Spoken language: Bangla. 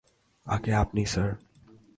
আগে আপনি স্যার।